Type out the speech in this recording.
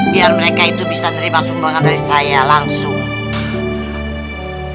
biar mereka itu bisa terima sumbangan dari saya langsung